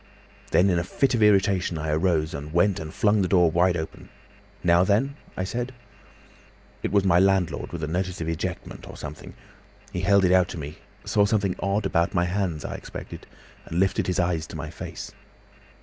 Then in a fit of irritation I rose and went and flung the door wide open. 'Now then?' said I. "It was my landlord, with a notice of ejectment or something. He held it out to me, saw something odd about my hands, I expect, and lifted his eyes to my face.